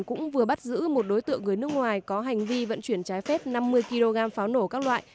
cũng vừa bắt giữ một đối tượng người nước ngoài có hành vi vận chuyển trái phép năm mươi kg pháo nổ các loại